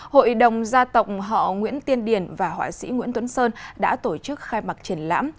hội đồng gia tộc họ nguyễn tiên điển và họa sĩ nguyễn tuấn sơn đã tổ chức khai mạc triển lãm